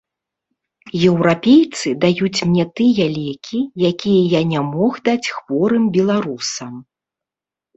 Еўрапейцы даюць мне тыя лекі, якія я не мог даць хворым беларусам.